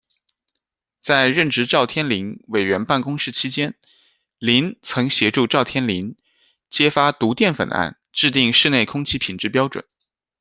在任职赵天麟委员办公室期间，林曾协助赵天麟揭发毒淀粉案、制定室内空气品质标准。